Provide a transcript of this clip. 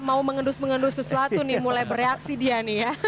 mau mengendus mengendus sesuatu nih mulai bereaksi dia nih ya